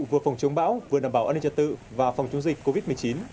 vừa phòng chống bão vừa đảm bảo an ninh trật tự và phòng chống dịch covid một mươi chín